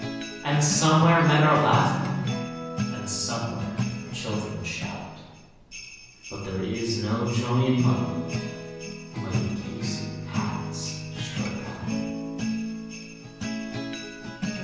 And somewhere men are laughing, and somewhere children shout; But there is no joy in Mudville mighty Casey has Struck Out.